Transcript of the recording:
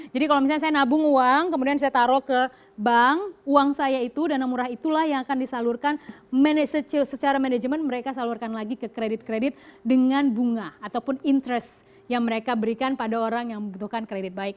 kalau misalnya saya nabung uang kemudian saya taruh ke bank uang saya itu dana murah itulah yang akan disalurkan secara manajemen mereka salurkan lagi ke kredit kredit dengan bunga ataupun interest yang mereka berikan pada orang yang membutuhkan kredit baik